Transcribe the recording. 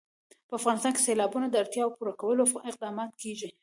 په افغانستان کې د سیلابونو د اړتیاوو پوره کولو اقدامات کېږي.